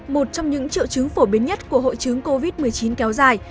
một trong những triệu chứng phổ biến nhất của hội chứng covid một mươi chín kéo dài